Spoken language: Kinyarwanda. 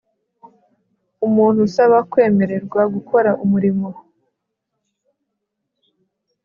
umuntu usaba kwemererwa gukora umurimo